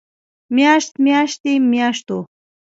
مياشت، مياشتې، مياشتو